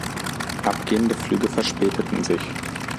Abgehende Flüge verspäteten sich.